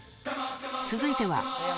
続いては。